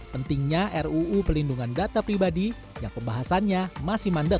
pentingnya ruu pelindungan data pribadi yang pembahasannya masih mandek